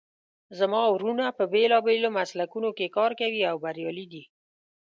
زما وروڼه په بیلابیلو مسلکونو کې کار کوي او بریالي دي